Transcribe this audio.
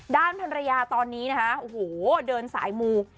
ด้านภรรยาตอนนี้นะคะโอ้โหเดินสายมู